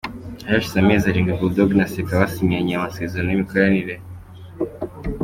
Hari hashize amezi arindwi Bull Dogg na Seka basinyanye amasezerano y’imikoranire.